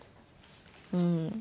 うん。